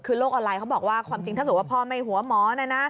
คือโลกออนไลน์เขาบอกว่าความจริงถ้าเกิดว่าพ่อไม่หัวหมอนะนะ